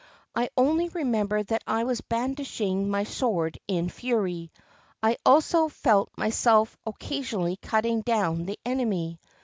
I only remember that I was brandishing my sword in fury. I also felt myself occasionally cutting down the enemy.